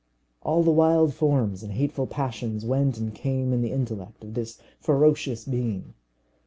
All the wild forms of hateful passions went and came in the intellect of this ferocious being.